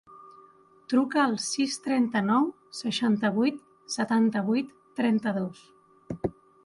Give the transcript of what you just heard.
Truca al sis, trenta-nou, seixanta-vuit, setanta-vuit, trenta-dos.